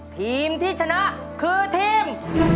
ทีมที่ชนะคือทีม